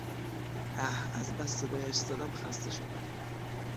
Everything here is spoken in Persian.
اه - از بس صدایش زدم خسته شدم!